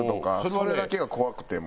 それだけが怖くてもう。